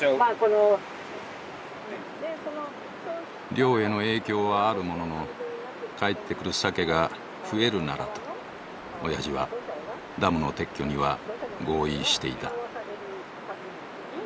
漁への影響はあるものの帰ってくるサケが増えるならとおやじはダムの撤去には合意していた。